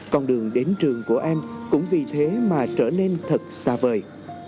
con đường đến trường của em cũng vì thế mà trở nên thật xa bờ